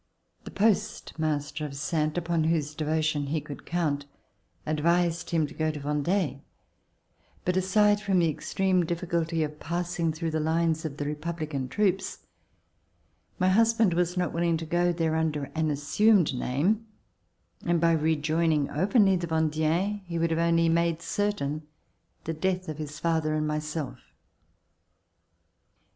The post master of Salntes, upon whose devotion he could count, advised him to go to Vendee, but aside from the extreme difficulty of passing through the lines of the Republican troops, my husband was not willing to go there under an assumed name, and, by rejoining openly the Vendeens, he would have only made certain the death of his father and myself.